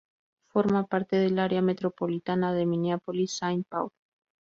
Forma parte del área metropolitana de Minneapolis–Saint Paul.